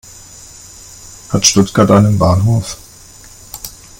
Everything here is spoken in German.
Hat Stuttgart einen Bahnhof?